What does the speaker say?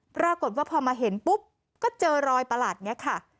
ปรากฏว่าพอมาเห็นปุ๊บก็เจอรอยประหลาดนี้ค่ะ